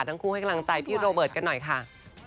ให้กำลังใจพี่โรเบิร์ตกันหน่อยค่ะ